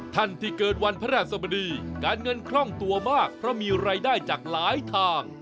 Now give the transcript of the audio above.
ท่านที่เกิดวันพระราชสมดีการเงินคล่องตัวมากเพราะมีรายได้จากหลายทาง